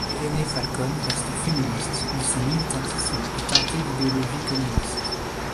Irene Falcón reste féministe mais sont militantisme est teinté d'idéologie communiste.